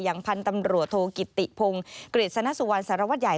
ยังพันตำรวจโทรกิตติพงกฤษณสุวรรณสรวรรษใหญ่